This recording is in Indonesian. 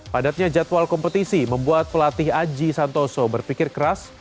padatnya jadwal kompetisi membuat pelatih aji santoso berpikir keras